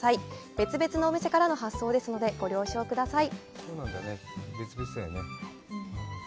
別々のお店からの発送ですので、ご了承ください。